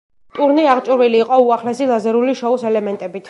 ტურნე აღჭურვილი იყო უახლესი ლაზერული შოუს ელემენტებით.